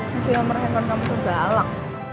kasih nomer handphone kamu ke galang